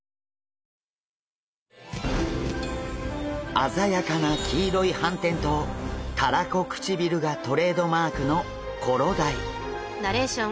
鮮やかな黄色い斑点とたらこ唇がトレードマークのコロダイ。